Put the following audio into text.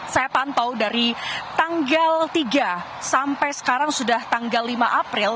saya pantau dari tanggal tiga sampai sekarang sudah tanggal lima april